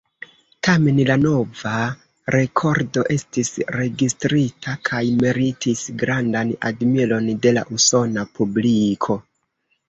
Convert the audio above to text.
Tamen la nova rekordo estis registrita kaj meritis grandan admiron de la usona publiko.